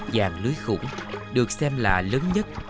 vàng lưới khủng được xem là lớn nhất